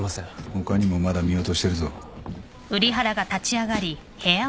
他にもまだ見落としてるぞ。